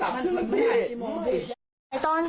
ผมมาได้โทรศัพท์มันไม่มีที่มองดิ